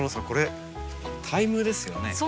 これタイムですよね？